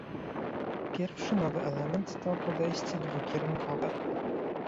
Pierwszy nowy element to podejście dwukierunkowe